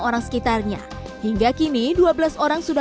tidak terjadi apa apa keereslusan entreten kita